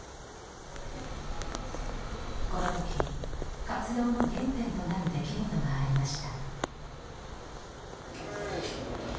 このとき、活動の原点となる出来事がありました。